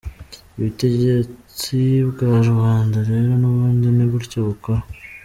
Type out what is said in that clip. Ubutegetsi bwa rubanda rero n’ubundi, ni gutya bukora.